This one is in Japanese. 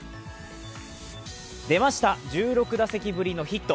出ました、１６打席ぶりのヒット。